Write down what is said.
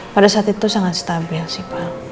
pada saat itu sangat stabil sih pak